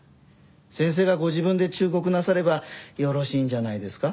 先生がご自分で忠告なさればよろしいんじゃないですか？